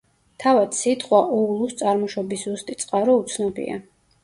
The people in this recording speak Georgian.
თავად სიტყვა ოულუს წარმოშობის ზუსტი წყარო უცნობია.